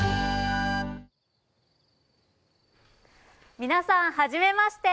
皆さん、はじめまして。